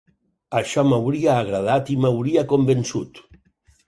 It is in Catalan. Això m’hauria agradat i m’hauria convençut.